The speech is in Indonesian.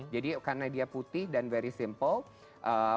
jadi karena dia putih dan very simple